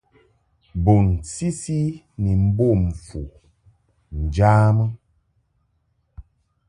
Bun sisi ni mbom fu njamɨ.